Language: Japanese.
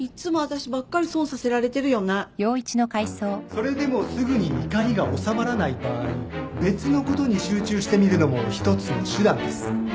それでもすぐに怒りが収まらない場合別のことに集中してみるのも一つの手段です